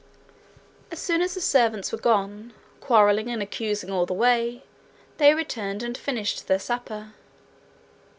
As soon as the servants were gone, quarrelling and accusing all the way, they returned and finished their supper.